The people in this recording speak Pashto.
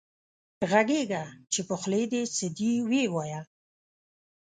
غږېږه چې په خولې دې څه دي وې وايه